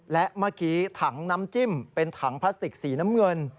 และเมื่อกี้ถังน้ำจิ้มเป็นถังพลาสติกสีน้ำเงิน